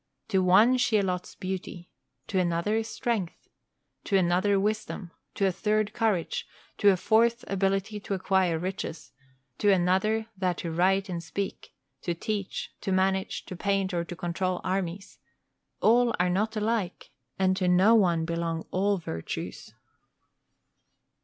To one she allots beauty, to another strength, to another wisdom, to a third courage, to a fourth ability to acquire riches, to another that to write and speak, to teach, to manage, to paint, or to control armies: all are not alike, and to no one belong all virtues.